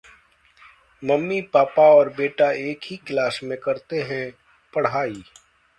mummy, papa और बेटा एक ही क्लास में करते हैं पढ़ाई...